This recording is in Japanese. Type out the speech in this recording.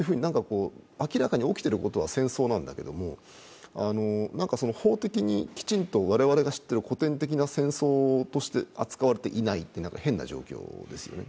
明らかに起きていることは戦争なんだけれども、法的にきちんと我々が知っている古典的な戦争として扱われていないという変な状況ですよね。